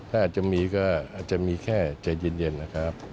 ถ้าอาจจะมีก็อาจจะมีแค่ใจเย็นนะครับ